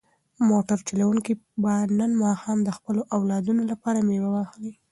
موټر چلونکی به نن ماښام د خپلو اولادونو لپاره مېوه واخلي.